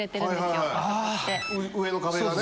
上の壁がね